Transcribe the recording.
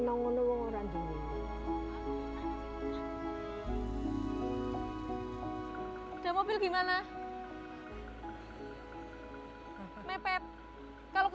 udah mobil gimana mepet kalau kesana lebih dalam gimana mbak